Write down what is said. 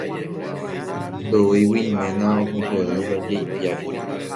Ndoúigui iména, ohojeýndaje ipiári.